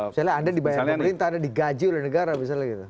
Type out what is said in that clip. misalnya anda dibayar pemerintah anda digaji oleh negara misalnya gitu